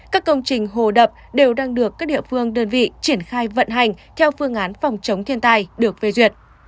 các công trình hồ đập đều đang được các địa phương đơn vị triển khai vận hành theo phương án phòng chống thiên tai được phê duyệt